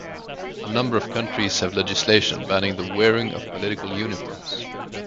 A number of countries have legislation banning the wearing of political uniforms.